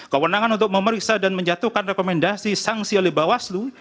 kewenangan untuk memeriksa dan menjatuhkan rekomendasi sanksi oleh bawaslu